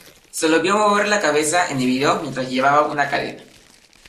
Se lo vio mover la cabeza en el video mientras llevaba una cadena.